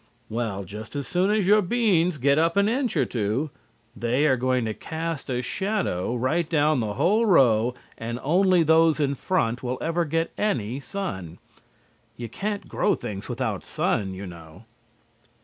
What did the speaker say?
"Well, just as soon as your beans get up an inch or two they are going to cast a shadow right down the whole row and only those in front will ever get any sun. You can't grow things without sun, you know."